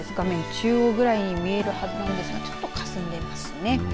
中央ぐらいに見えるはずなんですがかすんでますね。